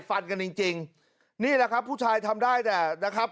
ฟันกันจริงจริงนี่แหละครับผู้ชายทำได้แต่นะครับ